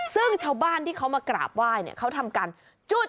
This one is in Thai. ซึ่งชาวบ้านที่เขามากราบไหว้เนี่ยเขาทำการจุด